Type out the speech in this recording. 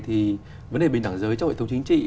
thì vấn đề bình đẳng giới trong hệ thống chính trị